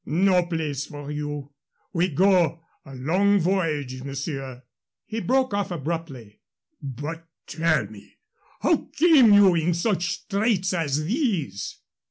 "No place for you we go a long voyage, monsieur," and he broke off abruptly. "But tell me how came you in such straits as these?"